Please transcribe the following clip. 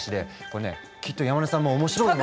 これねきっと山根さんも面白い。